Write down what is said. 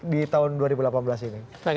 di tahun dua ribu delapan belas ini terima kasih